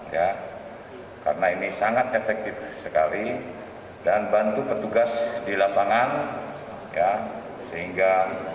ya karena ini sangat efektif sekali dan bantu petugas di lapangan ya sehingga